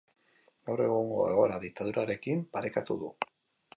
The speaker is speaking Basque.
Gaur egungo egoera diktadurarekin parekatu du.